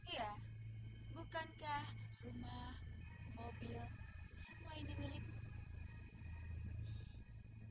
iya bukankah rumah mobil semua ini milikmu